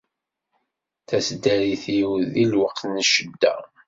D taseddarit-iw di lweqt n ccedda.